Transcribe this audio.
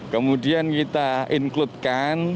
kemudian kita include kan